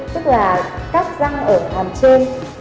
tức là các răng ở hàm trên